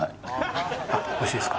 おいしいですか？